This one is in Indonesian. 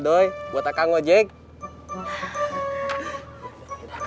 gue sudah tahan dulu sama si dadang